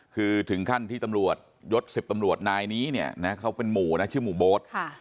คือถึงขั้นที่ตำรวจยศสิบตำรวจนายนี้เขาเป็นหมู่ชื่อหมู่โบ๊ท